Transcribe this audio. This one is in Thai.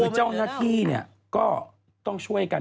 เจ้านักที่ก็ต้องช่วยกัน